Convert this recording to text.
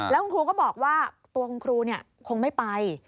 แล้วคุณครูก็บอกว่าตัวคุณครูคงไม่ไป